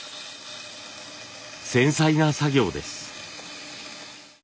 繊細な作業です。